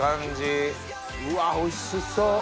うわおいしそう。